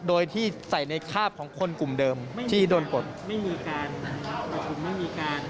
โดยที่ใส่ในคาบของคนกลุ่มเดิมที่โดนกดไม่มีการไม่มีออกก่อน